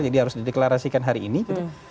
jadi harus dideklarasikan hari ini gitu